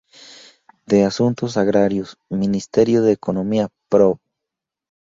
De Asuntos Agrarios, Ministerio de Economía, prov.